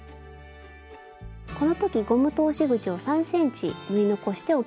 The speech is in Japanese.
この時ゴム通し口を３ｃｍ縫い残しておきましょう。